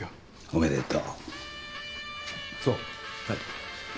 はい。